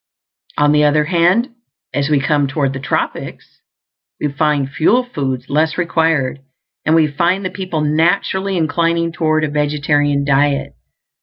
On the other hand, as we come toward the tropics, we find fuel foods less required; and we find the people naturally inclining toward a vegetarian diet.